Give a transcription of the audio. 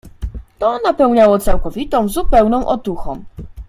"To napełniało całkowitą, zupełną otuchą."